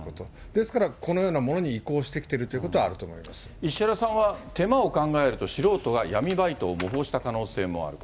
ですから、このようなものに移行してきてるということは、あると石原さんは、手間を考えると素人は闇バイトを模倣した可能性もある。